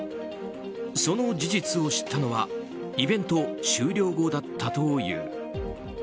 その事実を知ったのはイベント終了後だったという。